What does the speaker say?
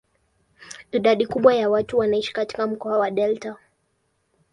Idadi kubwa ya watu wanaishi katika mkoa wa delta.